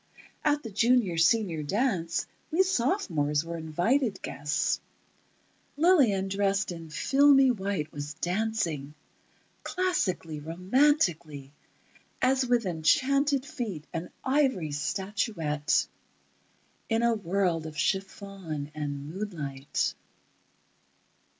At the Junior Senior dance we sophomores were invited guests ... Lillian dressed in filmy white was dancing ... classically, romantically, as with enchanted feet, an ivory statuette, in a world of chiffon and moonlight.